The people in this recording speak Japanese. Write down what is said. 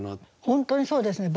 本当にそうですね。